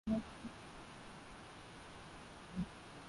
Kaka yangu ameacha shule